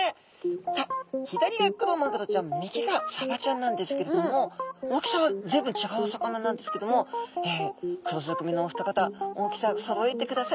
さあ左がクロマグロちゃん右がサバちゃんなんですけれども大きさは随分違うお魚なんですけども黒ずくめのお二方大きさそろえてくださいました。